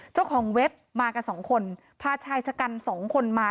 เว็บมากับสองคนพาชายชะกันสองคนมา